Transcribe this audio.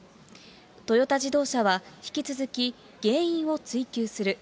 トヨタ自動車は引き続き、原因を追究する。